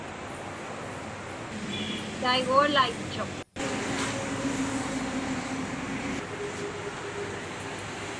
Taigualaitchuq.